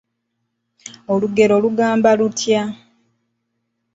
Olugero olugamba lutya?